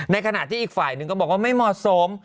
ในขณะที่อีกฝ่ายหนึ่งก็บอกว่าไม่เหมาะสม